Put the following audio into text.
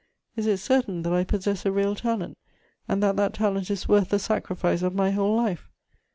Is it certain that I possess a real talent, and that that talent is worth the sacrifice of my whole life?